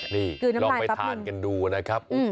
นี่ลองไปทานกันดูนะครับ